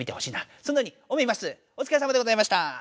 おつかれさまでございました！